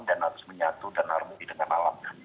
dan harus menyatu dan harmoni dengan alam